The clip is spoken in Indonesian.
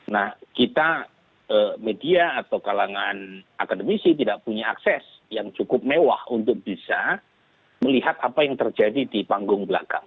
nah kita media atau kalangan akademisi tidak punya akses yang cukup mewah untuk bisa melihat apa yang terjadi di panggung belakang